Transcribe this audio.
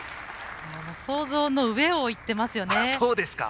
想像の上をいってますよね。